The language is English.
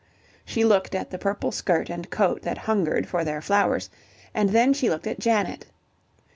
She looked at the purple skirt and coat that hungered for their flowers, and then she looked at Janet.